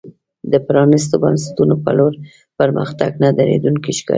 د پرانیستو بنسټونو په لور پرمختګ نه درېدونکی ښکارېده.